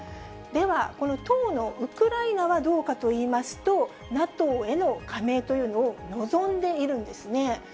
では、この当のウクライナはどうかといいますと、ＮＡＴＯへの加盟というのを望んでいるんですね。